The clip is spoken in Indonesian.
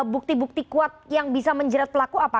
bukti bukti kuat yang bisa menjerat pelaku apa